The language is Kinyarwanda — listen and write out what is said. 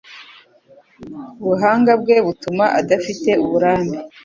Ubuhanga bwe butuma adafite uburambe.